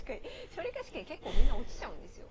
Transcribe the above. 奨励会試験結構みんな落ちちゃうんですよ。